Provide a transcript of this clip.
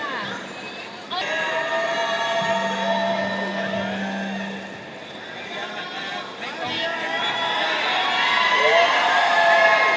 และตาเหมือนเค้าขอบคุณมากค่ะ